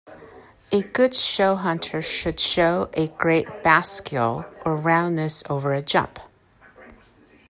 A good show hunter should show a great "bascule", or roundness over a jump.